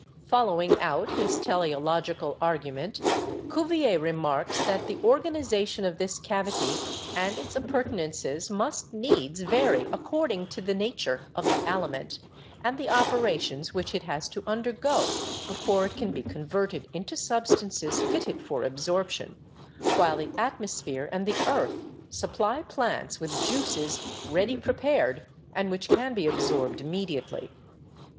Following out his teleological argument, Cuvier remarks that the organization of this cavity and its appurtenances must needs vary according to the nature of the aliment and the operations which it has to undergo before it can be con verted into substances fitted for absorption, while the at mosphere and the earth supply plants with juices ready prepared and which can be absorbed immediately.